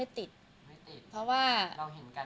ไม่ติดเราเห็นกันอึดแล้ว